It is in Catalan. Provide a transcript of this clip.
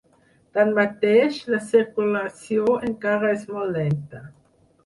Tanmateix, la circulació encara és molt lenta.